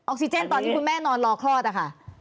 ซิเจนตอนที่คุณแม่นอนรอคลอดนะคะ